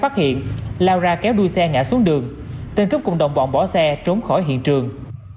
tên cấp cùng đồng bọn bỏ xe trốn khỏi hiện trường